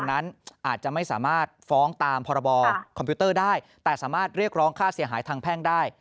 นั้นอาจจะไม่สามารถฟ้องตามพรบคอมพิวเตอร์ได้แต่สามารถเรียกร้องค่าเสียหายทางแพ่งได้